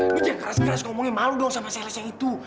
nih jangan keras keras ngomongnya malu dong sama sales yang itu